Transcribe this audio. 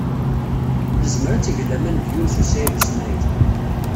Tezmer ad teg laman deg Yunes u Saɛid u Smaɛil.